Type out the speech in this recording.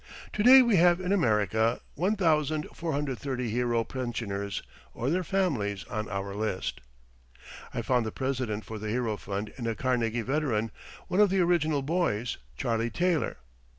To day we have in America 1430 hero pensioners or their families on our list. I found the president for the Hero Fund in a Carnegie veteran, one of the original boys, Charlie Taylor.